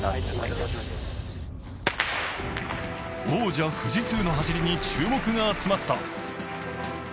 王者・富士通の走りに注目が集まった。